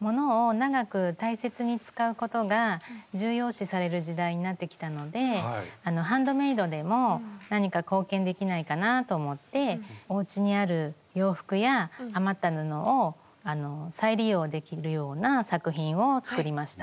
ものを長く大切に使うことが重要視される時代になってきたのでハンドメイドでも何か貢献できないかなと思っておうちにある洋服や余った布を再利用できるような作品を作りました。